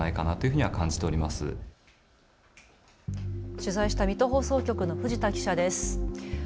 取材した水戸放送局の藤田記者です。